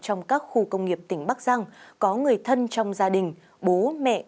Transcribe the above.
trong các khu công nghiệp tỉnh bắc giang có người thân trong gia đình bố mẹ